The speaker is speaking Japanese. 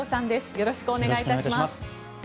よろしくお願いします。